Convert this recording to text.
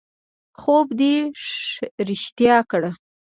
خوب دې رښتیا کړ